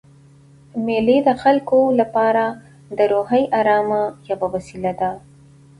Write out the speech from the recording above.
مېلې د خلکو له پاره د روحي آرامۍ یوه وسیله ده.